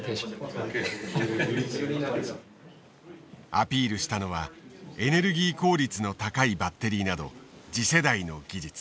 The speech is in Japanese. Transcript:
アピールしたのはエネルギー効率の高いバッテリーなど次世代の技術。